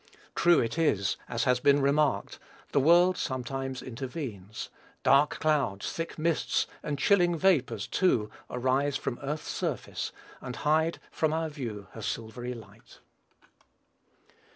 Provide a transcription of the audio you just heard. True it is, as has been remarked, the world sometimes intervenes; dark clouds, thick mists, and chilling vapors, too, arise from earth's surface, and hide from our view her silvery light.